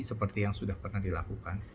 seperti yang sudah pernah dilakukan